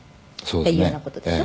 「っていうような事でしょ？」